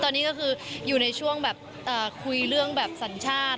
ตอนนี้ก็คืออยู่ในช่วงแบบคุยเรื่องแบบสัญชาติ